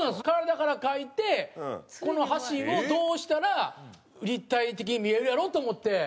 体から描いてこの橋をどうしたら立体的に見えるやろと思って。